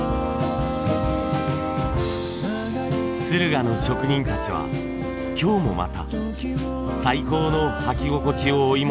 駿河の職人たちは今日もまた最高の履き心地を追い求めて腕を磨きます。